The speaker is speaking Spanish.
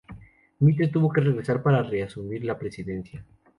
Mitre tuvo que regresar para reasumir la presidencia.